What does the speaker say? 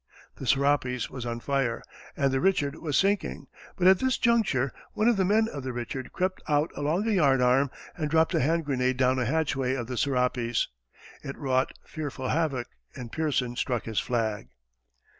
The Serapis was on fire and the Richard was sinking, but at this juncture, one of the men of the Richard crept out along a yardarm, and dropped a hand grenade down a hatchway of the Serapis. It wrought fearful havoc, and Pearson struck his flag.